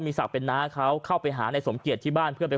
ศักดิ์เป็นน้าเขาเข้าไปหาในสมเกียจที่บ้านเพื่อไป